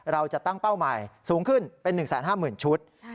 เราจะตั้งเป้าใหม่สูงขึ้นเป็น๑๕๐๐๐ชุด